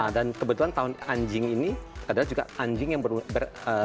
dan kebetulan tahun anjing ini adalah juga anjing yang ber